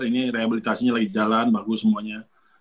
ini rehabilitasinya lagi jalan bagus semuanya